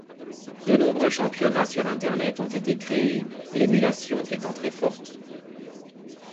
De nombreux championnats sur Internet ont été créés, l'émulation étant très forte.